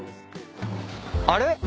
あれ？